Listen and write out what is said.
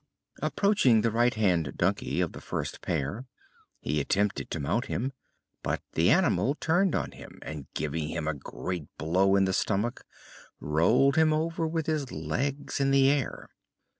Approaching the right hand donkey of the first pair, he attempted to mount him, but the animal turned on him and, giving him a great blow in the stomach, rolled him over with his legs in the air.